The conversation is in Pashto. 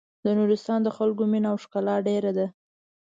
د نورستان د خلکو مينه او ښکلا ډېره ده.